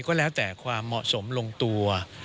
ก็แล้วแต่ความเหมาะสมลงตัว